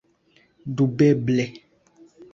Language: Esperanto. Dubeble!